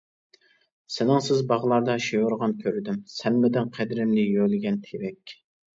سېنىڭسىز باغلاردا شىۋىرغان كۆردۈم، سەنمىدىڭ قەدرىمنى يۆلىگەن تىرەك.